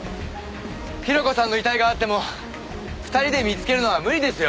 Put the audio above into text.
広子さんの遺体があっても２人で見つけるのは無理ですよ。